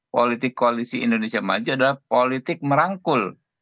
politik koalisi indonesia maju adalah politik merangkul